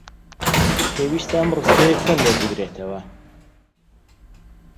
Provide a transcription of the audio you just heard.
پێویستە ئەم ڕستەیە چۆن لێک بدرێتەوە؟